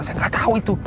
saya gak tau itu